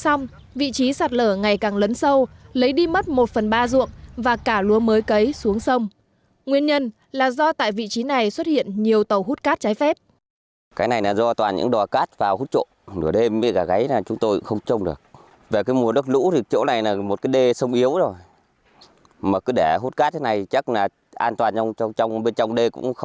trong vị trí sạt lở ngày càng lấn sâu lấy đi mất một phần ba ruộng và cả lúa mới cấy xuống sông nguyên nhân là do tại vị trí này xuất hiện nhiều tàu hút cát trái phép